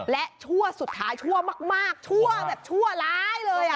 และชั่วสุดท้ายชั่วมากชั่วแบบชั่วร้ายเลย